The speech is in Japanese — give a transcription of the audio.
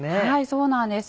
そうなんです。